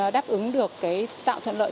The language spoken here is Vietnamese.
đáp ứng được cái tạo thuận lợi